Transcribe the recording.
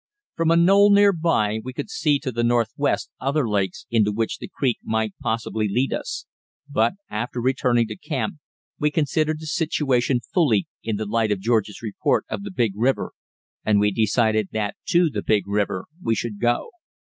From a knoll near by we could see to the northwest other lakes into which the creek might possibly lead us; but, after returning to camp, we considered the situation fully in the light of George's report of the big river, and we decided that to the big river we should go.